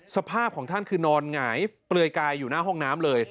สภาพของท่านคือนอนหงายเปลือยกายอยู่หน้าห้องน้ำเลย